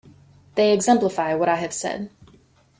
They exemplify what I have said.